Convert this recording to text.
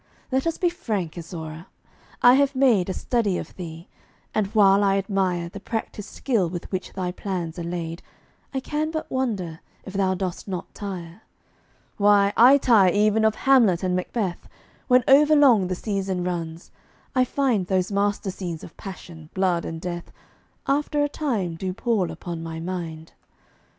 Let us be frank, Isaura. I have made A study of thee; and while I admire The practised skill with which thy plans are laid, I can but wonder if thou dost not tire. Why, I tire even of Hamlet and Macbeth! When overlong the season runs, I find Those master scenes of passion, blood, and death, After a time do pall upon my mind.